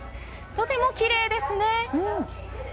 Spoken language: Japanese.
とてもきれいですね。